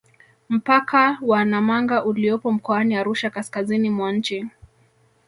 Mpaka wa Namanga uliopo mkoani Arusha kaskazini mwa nchi